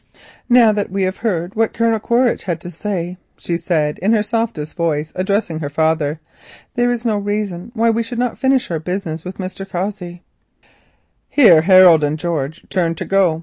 "Now that we have heard what Colonel Quaritch had to say," she said in her softest voice, and addressing her father, "there is no reason why we should not finish our business with Mr. Cossey." Here Harold and George turned to go.